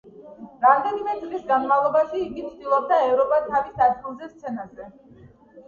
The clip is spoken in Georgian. რამდენიმე წლის განმავლობაში იგი ცდილობდა ეპოვა თავისი ადგილი სცენაზე.